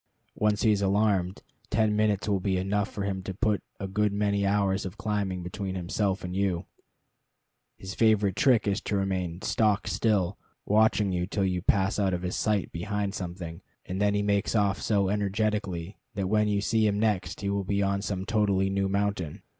Once he is alarmed, ten minutes will be enough for him to put a good many hours of climbing between himself and you. His favorite trick is to remain stock still, watching you till you pass out of his sight behind something, and then he makes off so energetically that when you see him next he will be on some totally new mountain.